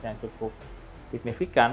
yang cukup signifikan